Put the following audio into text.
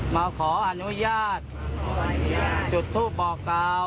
สัมปเวศีวิญญาณเล่ลอนทั้งหลาย